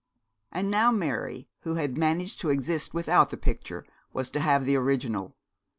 And now Mary, who had managed to exist without the picture, was to have the original.